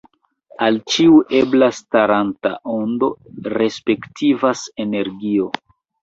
Al ĉiu ebla staranta ondo respektivas energio.